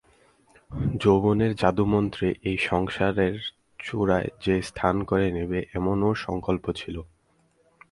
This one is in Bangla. যৌবনের জাদুমন্ত্রে এই সংসারের চূড়ায় সে স্থান করে নেবে এমনও সংকল্প ছিল।